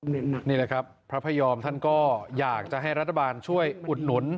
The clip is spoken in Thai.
นี่แหละครับพระพยอมท่านก็อยากจะให้รัฐบาลช่วยอุดหนุน